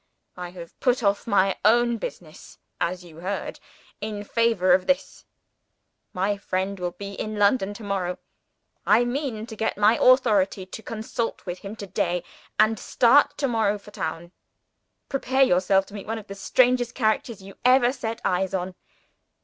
I have put off my own business (as you heard) in favor of this. My friend will be in London to morrow. I mean to get my authority to consult him to day, and to start tomorrow for town. Prepare yourself to meet one of the strangest characters you ever set eyes on!